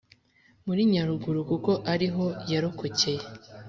muri Nyaruguru kuko ariho yarokokeye